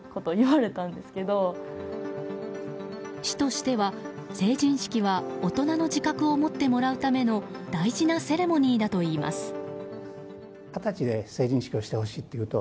市としては、成人式は大人の自覚を持ってもらうための大事なセレモニーだといいます。